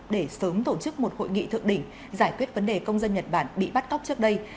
để sớm tổ chức một hội nghị thượng đỉnh giải quyết vấn đề công dân nhật bản bị bắt cóc trước đây